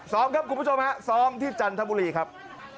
ซ้อมครับคุณผู้ชมฮะซ้อมที่จันทบุรีครับ